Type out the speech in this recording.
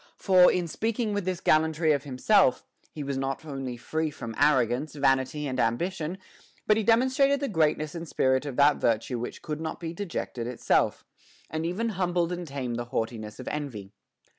For, in speaking with this gallantry of himself, he was not only free from arrogance, vanity, and ambition, but he demonstrated the greatness and spirit of that virtue which could not be dejected itself, and even humbled and tamed the haughtiness of envy.